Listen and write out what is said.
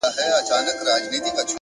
صبر د هیلو ونې خړوبوي.!